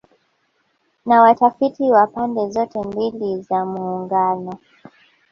na watafiti wa pande zote mbili za Muungano